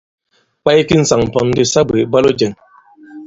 Kwaye ki ŋsàŋ pōn di sa bwě, ìbwalo jɛ̄ŋ!